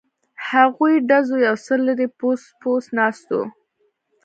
هغوی له ډزو یو څه لرې بوڅ بوڅ ناست وو.